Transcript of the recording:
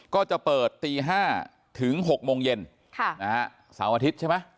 ก็จะเปิดตี๕ถึง๖โมงเย็นเสาร์อาทิตย์ใช่ไหม